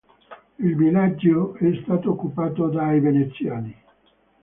Il villaggio è stato occupato dai Veneziani.